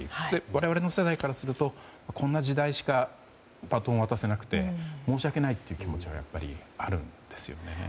我々の世代からするとこんな時代しかバトンを渡せなくて申し訳ないという気持ちがやっぱりあるんですよね。